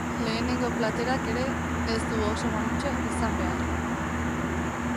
Lehenengo platerak ere ez du oso mamitsua izan behar.